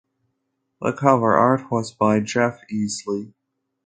The cover art was by Jeff Easley.